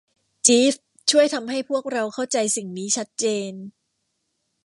จีฟส์ ช่วยทำให้พวกเราเข้าใจสิ่งนี้ชัดเจน